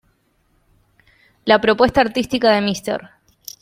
La propuesta artística de Mr.